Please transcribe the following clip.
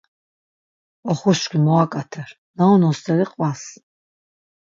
Oxuşkvi, mo ak̆ater, na unon steri qvas!